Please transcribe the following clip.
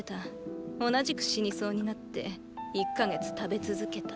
同じく死にそうになって一か月食べ続けた。